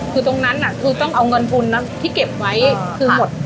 คือตรงนั้นคือต้องเอาเงินทุนที่เก็บไว้คือหมด